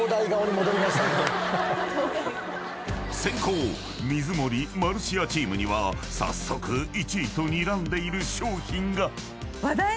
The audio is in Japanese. ［先攻水森・マルシアチームには早速１位とにらんでいる商品が］